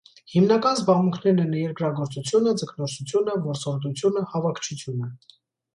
Հիմնական զբաղմունքներն են երկրագործությունը, ձկնորսությունը, որսորդությունը, հավաքչությունը։